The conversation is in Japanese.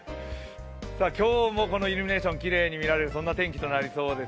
今日もこのイルミネーション、きれいに見られる天気となりそうです。